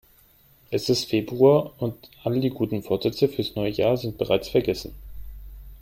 Es ist Februar und all die guten Vorsätze fürs neue Jahr sind bereits vergessen.